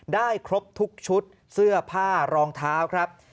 ได้ครบทุกชุดเสื้อผ้ารองเท้าครับ